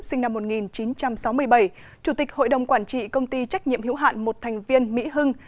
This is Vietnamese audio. sinh năm một nghìn chín trăm sáu mươi bảy chủ tịch hội đồng quản trị công ty trách nhiệm hiểu hạn một thành viên mỹ hưng